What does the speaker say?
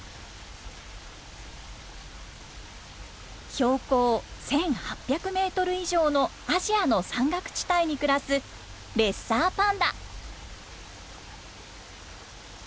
標高１，８００メートル以上のアジアの山岳地帯に暮らすレッサーパンダ。